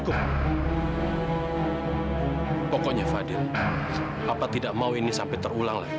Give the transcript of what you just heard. gimana ya aku pikir pikir dulu deh